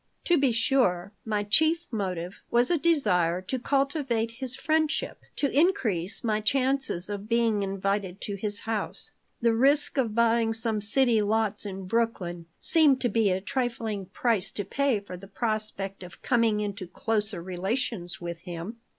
To be sure, my chief motive was a desire to cultivate his friendship, to increase my chances of being invited to his house. The risk of buying some city lots in Brooklyn seemed to be a trifling price to pay for the prospect of coming into closer relations with him.